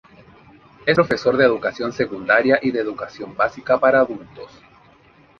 Es profesor de educación secundaria y de educación básica para adultos.